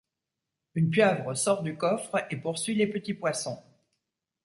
Une pieuvre sort du coffre et poursuit les petits poissons.